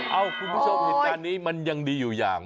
เอ้อเอ้าคุณผู้ชมคิดการนี้มันยังดีอยู่อย่าง